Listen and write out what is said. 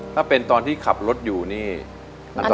ถ้าเป็นตอนที่ขับรถอยู่นี่อันตราย